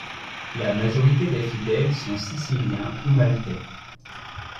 La majorité des fidèles sont Siciliens ou Maltais.